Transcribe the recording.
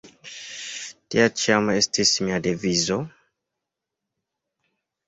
Tia ĉiam estis mia devizo.